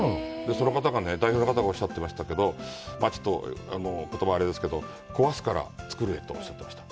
その方が代表の方がおっしゃってましたけど、言葉があれですが、壊すから作れとおっしゃってました。